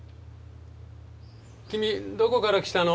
君どこから来たの？